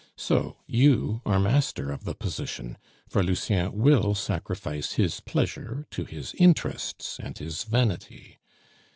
So, you are master of the position, for Lucien will sacrifice his pleasure to his interests and his vanity.